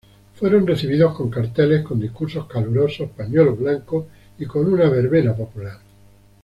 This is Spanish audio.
Fueron recibidos con carteles, con discursos calurosos, pañuelos blancos y con una verbena popular.